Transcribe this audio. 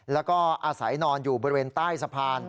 แล้วก็อาศัยนอนอยู่บริเวณใต้สะพาน